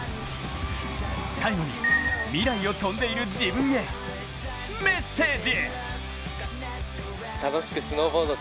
最後に、未来を翔んでいる自分へメッセージ！